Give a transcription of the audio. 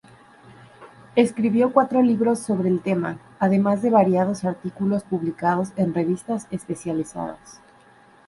Escribió cuatro libros sobre el tema, además de variados artículos publicados en revistas especializadas.